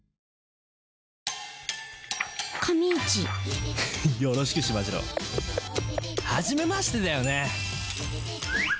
カミイチよろしくしまじろう！はじめましてだよね。